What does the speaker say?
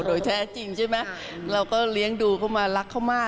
โดยแท้จริงใช่ไหมเราก็เลี้ยงดูเขามารักเขามาก